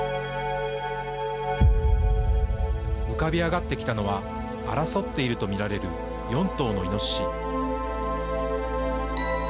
浮かび上がってきたのは争っているとみられる４頭のイノシシ。